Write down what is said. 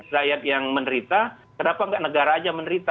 rakyat yang menerita kenapa nggak negara aja menerita